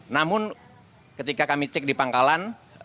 namun ketika kami cek di pangkalan